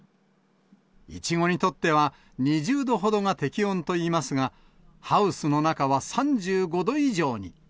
イチゴにとっては２０度ほどが適温といいますが、ハウスの中は３５度以上に。